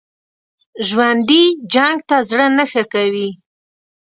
ژوندي جنګ ته زړه نه ښه کوي